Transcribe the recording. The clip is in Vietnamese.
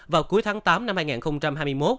vào cuối tháng tám năm hai nghìn hai mươi một